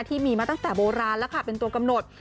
ที่มีมาตั้งแต่โบราณแล้วค่ะเป็นตัวกำหนด